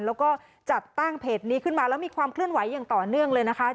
แล้วก็จัดตั้งเพจนี้ขึ้นมาแล้วมีความเคลื่อนไหวอย่างต่อเนื่องเลยนะคะ